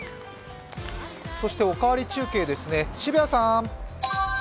「おかわり中継」ですね、澁谷さん。